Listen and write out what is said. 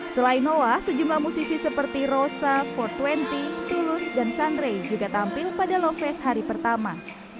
selain noah sejumlah musisi seperti rosa empat dua puluh tulus dan sunre juga tampil pada lovest hari pertama